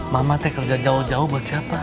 mama saya kerja jauh jauh buat siapa